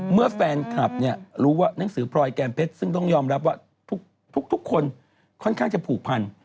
เมื่อแฟนคลับเนี่ยรู้ว่านังสือพรอยแกนเพชรซึ่งต้องยอมรับว่าทุกคนค่อนข้างจะผูกพัน